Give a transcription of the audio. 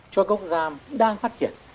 cho các quốc gia đang phát triển